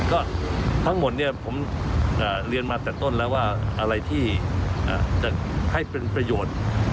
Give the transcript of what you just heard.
ก็ทั้งหมดเนี่ยผมเรียนมาแต่ต้นแล้วว่าอะไรที่จะให้เป็นประโยชน์